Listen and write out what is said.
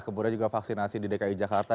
kemudian juga vaksinasi di dki jakarta